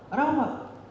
ada apa pak